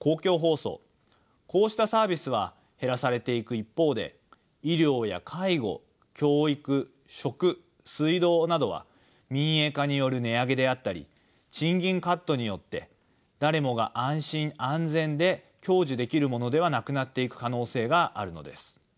こうしたサービスは減らされていく一方で医療や介護教育食水道などは民営化による値上げであったり賃金カットによって誰もが安心・安全で享受できるものではなくなっていく可能性があるのです。